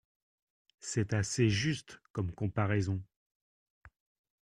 C’est assez juste comme comparaison.